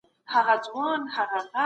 سوسیالیزم شخصي ملکیت نه مني.